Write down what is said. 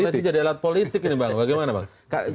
berarti jadi alat politik ini bang bagaimana bang